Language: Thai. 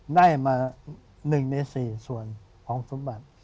ได้มาหนึ่งในสี่ส่วนของสมบัติ